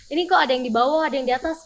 ini kok ada yang di bawah ada yang di atas